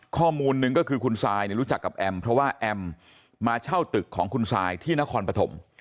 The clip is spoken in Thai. ข้อมูลนึงก็คือคุณซายรู้จักกับแอมเพราะว่าแอมมาเช่าตึกของคุณซายที่นครปฐม